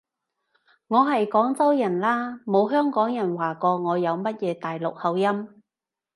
我係廣州人啦，冇香港人話過我有乜嘢大陸口音